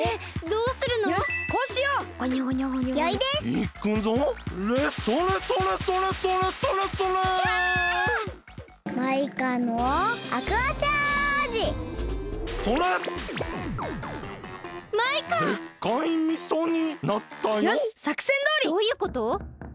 どういうこと？